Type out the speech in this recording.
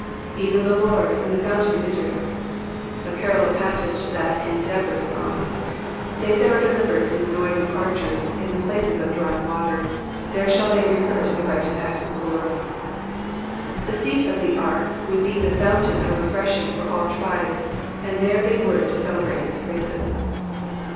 ^^Even the Lord, from the fountain of Israel.'''' A parallel passage to that in Deborah's song :*' They that are delivered from the noise of archers in the places of drawing water, there shall they rehearse the righteous acts of the Lord." The seat of the ark would be the fountain of refreshing for all the tribes, and there they were to celebrate his praises.